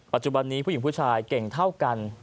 ปัจจุบันนี้ผู้หญิงผู้ชายเก่งเท่ากัน